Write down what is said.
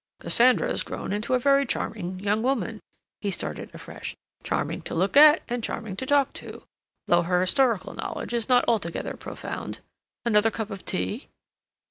"Cassandra's grown into a very charming young woman," he started afresh. "Charming to look at, and charming to talk to, though her historical knowledge is not altogether profound. Another cup of tea?"